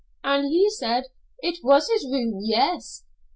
an' he said, 'It was his room, yes.'